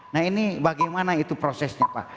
nah ini bagaimana itu prosesnya pak